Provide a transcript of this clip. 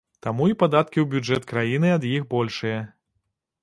Таму і падаткі ў бюджэт краіны ад іх большыя.